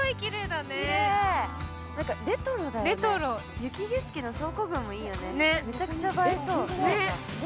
雪景色の倉庫群もいいよね、めちゃくちゃ映えそう。